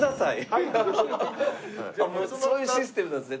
そういうシステムなんですね。